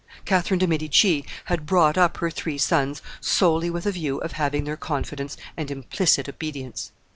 Catherine de Medici had brought up her three sons solely with a view of having their confidence and implicit obedience.